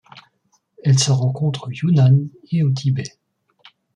Elles se rencontrent au Yunnan et au Tibet.